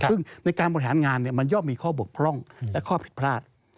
ซึ่งในการบริหารงานมันย่อมมีข้อบกพร่องและข้อผิดพลาด